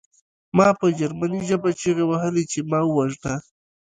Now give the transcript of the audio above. ما په جرمني ژبه چیغې وهلې چې ما ووژنه